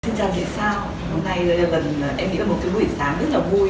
xin chào thế sao hôm nay em nghĩ là một buổi sáng rất là vui